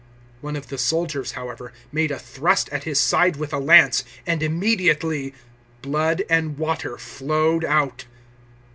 019:034 One of the soldiers, however, made a thrust at His side with a lance, and immediately blood and water flowed out.